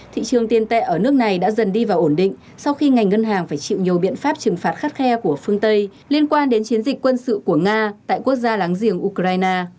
thị trường tiền tệ ở nước này đã dần đi vào ổn định sau khi ngành ngân hàng phải chịu nhiều biện pháp trừng phạt khắt khe của phương tây liên quan đến chiến dịch quân sự của nga tại quốc gia láng giềng ukraine